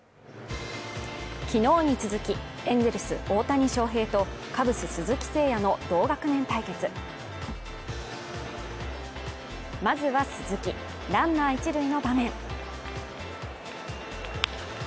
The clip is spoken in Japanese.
昨日に続き、エンゼルス大谷翔平とカブス鈴木誠也の同学年対決まずは鈴木ランナー１塁の場面。